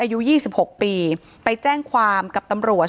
นายอนุชาพรมสาขาหรือโอ๊ตอายุ๒๖ปีไปแจ้งความกับตำรวจ